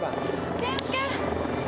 健介。